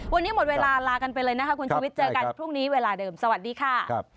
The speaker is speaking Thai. วันนี้หมดเวลาลากันไปเลยนะคะคุณชุวิตเจอกันพรุ่งนี้เวลาเดิมสวัสดีค่ะ